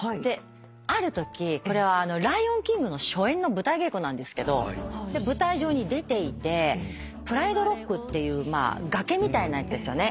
あるときこれは『ライオンキング』の初演の舞台稽古なんですけど舞台上に出ていてプライドロックっていう崖みたいなやつですよね。